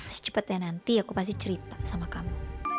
secepatnya nanti aku pasti cerita sama kamu